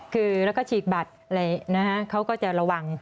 คือแล้วก็ฉีกบัตรเขาก็จะระวัง